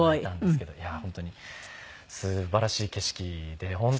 すごい。いや本当にすばらしい景色で。